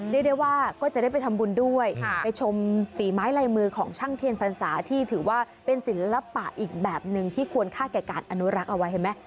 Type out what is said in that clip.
เรียกได้ว่าก็จะได้ไปทำบุญด้วยไปชมฝีไม้ลายมือของช่างเทียนพรรษาที่ถือว่าเป็นศิลปะอีกแบบหนึ่งที่ควรค่าแก่การอนุรักษ์เอาไว้เห็นไหม